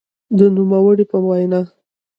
د نوموړي په وینا؛